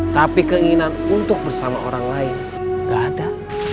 tapi keinginan untuk bersama orang lain gak ada